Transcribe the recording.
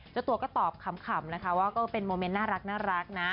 เจ้าตัวก็ตอบขำนะคะว่าก็เป็นโมเมนต์น่ารักนะ